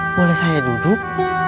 boleh saya duduk